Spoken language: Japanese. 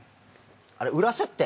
あれ。